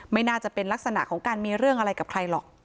ไม่น่าจะเป็นลักษณะของการมีเรื่องอะไรกับใครหรอก